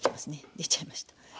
出ちゃいました。